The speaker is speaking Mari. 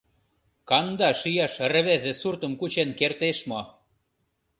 Кандаш ияш рвезе суртым кучен кертеш мо?